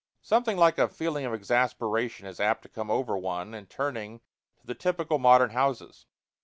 Something like a feeling of exasperation is apt to come over one in turning to the typical modern houses.